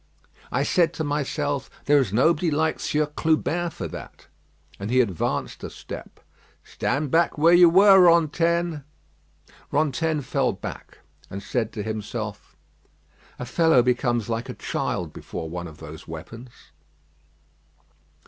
I said to myself, there is nobody like Sieur Clubin for that." And he advanced a step. "Stand back where you were, Rantaine." Rantaine fell back, and said to himself: "A fellow becomes like a child before one of those weapons."